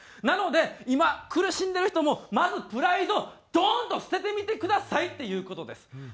なので今苦しんでる人もまずプライドドーンと捨ててみてくださいっていう事です。